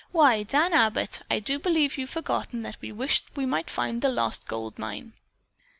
"Why, Dan Abbott, I do believe you've forgotten that we wished we might find the lost gold mine."